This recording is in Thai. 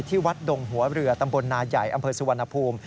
วัดดงหัวเรือตำบลนาใหญ่อำเภอสุวรรณภูมิ